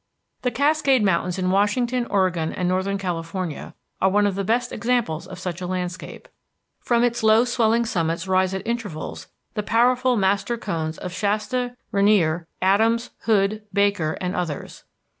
The Cascade Mountains in Washington, Oregon, and northern California are one of the best examples of such a landscape; from its low swelling summits rise at intervals the powerful master cones of Shasta, Rainier, Adams, Hood, Baker, and others.